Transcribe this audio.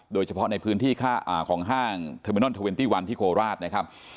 โดยเฉพาะในพื้นที่ของห้างเทอร์มินอนเทอร์เนตี้วันที่โคราชนะครับ